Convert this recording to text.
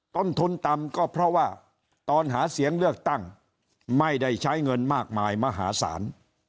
ต้นทุนต่ำก็เพราะว่าตอนหาเสียงเลือกตั้งไม่ได้ใช้เงินมากมายมหาศาล